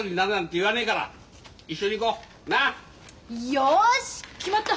よし決まった！